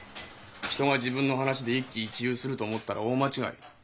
人が自分の話で一喜一憂すると思ったら大間違いだ。